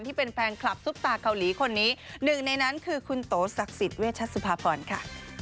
ที่เป็นแฟนคลับซุปตาเกาหลีคนนี้หนึ่งในนั้นคือคุณโตศักดิ์สิทธิเวชสุภาพรค่ะ